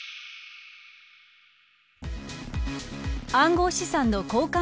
暗号資産の交換